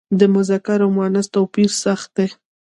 د مذکر او مونث توپیر سخت دی.